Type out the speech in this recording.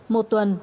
một tuần sau